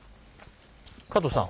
加藤さん。